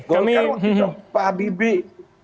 golkar waktu pak habibie